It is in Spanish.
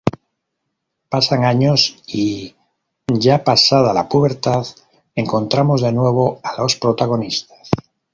Pasan años y, ya pasada la pubertad, encontramos de nuevo a los protagonistas.